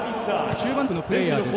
中盤登録のプレーヤーです